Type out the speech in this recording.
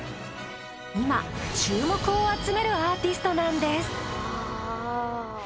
今注目を集めるアーティストなんです。